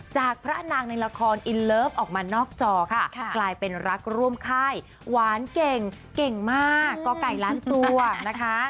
จากพระนางในละครอินเลิฟออกมานอกจอค่ะกลายเป็นรักร่วมค่ายหวานเก่งเก่งมากก่อไก่ล้านตัวนะคะ